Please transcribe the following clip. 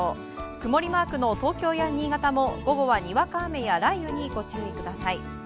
曇りマークの東京や新潟も午後は、にわか雨や雷雨にご注意ください。